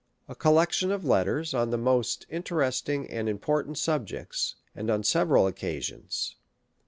A Collection of Letters on the most interesting and important Subjects, and on several Occasions.